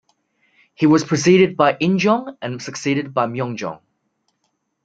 He was preceded by Injong and succeeded by Myeongjong.